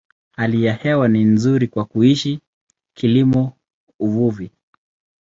Hali ya hewa ni nzuri kwa kuishi, kilimo, uvuvi.